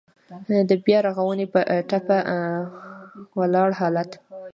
د بيا رغونې په ټپه ولاړ حالات.